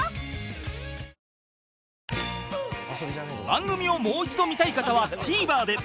番組をもう一度見たい方は ＴＶｅｒ で